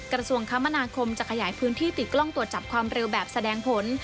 กระทรวงคมนาคมจะขยายพื้นที่ติดกล้องตรวจจับความเร็วแบบแสดงผล